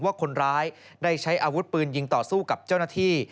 ว่าคนร้ายได้ใช้อาวุธปืนยิงต่อสู้กับเจ้าหน้าที่